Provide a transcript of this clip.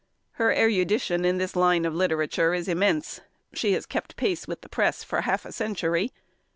Her erudition in this line of literature is immense: she has kept pace with the press for half a century.